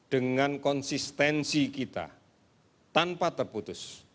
dengan konsistensi kita tanpa terputus